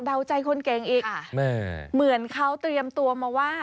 ใจคนเก่งอีกเหมือนเขาเตรียมตัวมาว่า